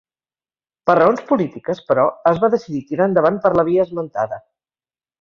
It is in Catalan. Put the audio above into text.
Per raons polítiques, però, es va decidir tirar endavant per la via esmentada.